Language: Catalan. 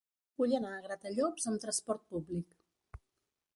Vull anar a Gratallops amb trasport públic.